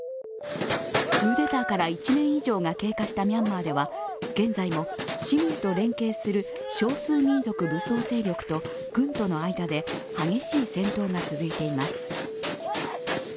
クーデターから１年以上が経過したミャンマーでは現在も市民と連携する少数民族武装勢力と軍との間で激しい戦闘が続いています。